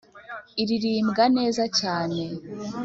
iririmbwa neza cyane.